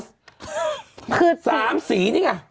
๓สีนี่ค่ะ